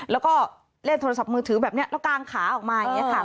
แล้วก็เล่นโทรศัพท์มือถือแบบนี้แล้วกางขาออกมาอย่างนี้ค่ะ